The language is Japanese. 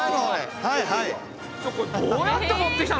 はいはい。